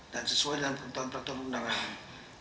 dan sesuai dengan peruntuhan peraturan undangan